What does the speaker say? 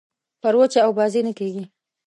پر وچه اوبازي نه کېږي.